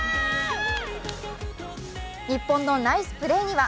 日本のナイスプレーには